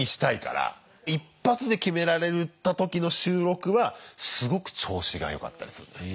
一発で決められた時の収録はすごく調子がよかったりすんのよ。